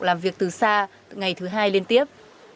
làm việc từ xa ngày thứ hai liên tiếp